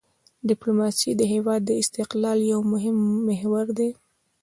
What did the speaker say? ډیپلوماسي د هېواد د استقلال یو مهم محور دی.